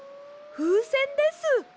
ふうせんです。